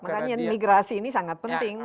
makanya migrasi ini sangat penting